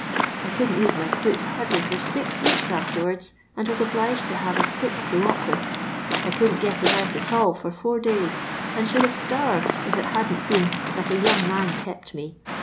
I eonldn't use my foot hardly for six weeki afterwards, and was obliged to have a atick to walk with. I couldn't get about at all lor four days, and shonld have starved if it hadn't been that a young man kept me.